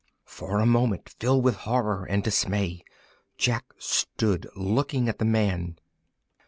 For a moment, filled with horror and dismay, Jack stood looking at the man.